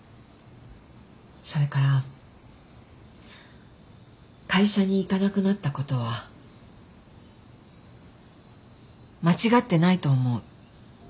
それから会社に行かなくなったことは間違ってないと思う。